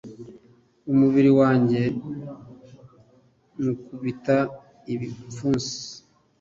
Umubiri wanjye nywukubita ibipfunsi